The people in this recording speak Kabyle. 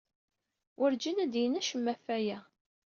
Werǧin d-yenni acemma ɣef waya.